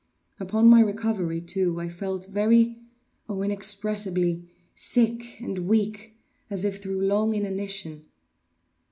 Upon my recovery, too, I felt very—oh! inexpressibly—sick and weak, as if through long inanition.